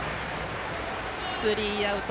スリーアウト！